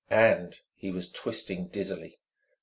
And he was twisting dizzily....